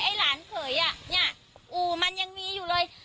หลานเขยอ่ะเนี่ยอู่มันยังมีอยู่เลย